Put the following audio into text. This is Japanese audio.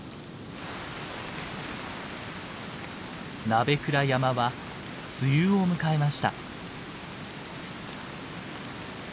鍋倉山は梅雨を迎えました。